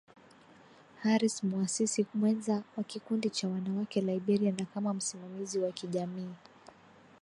Harris muasisi mwenza wa Kikundi cha Wanawake Liberia na kama msimamizi wa kijamii